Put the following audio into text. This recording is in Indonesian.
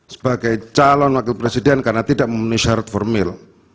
sebagai calon wakil presiden karena tidak memenuhi syarat formil